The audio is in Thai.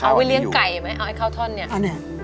เอาไว้เลี้ยงไก่ไหมเอาไอ้ข้าวท่อนเนี่ย